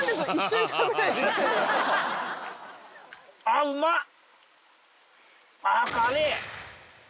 あっうまっ！